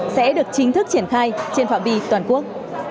sẽ được chính thức triển khai trên phạm vi toàn quốc